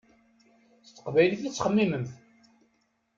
S teqbaylit i ttxemmiment.